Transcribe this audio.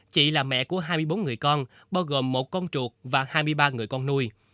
chị là mẹ của hai mươi bốn người con bao gồm một con chuột và hai mươi ba người con nuôi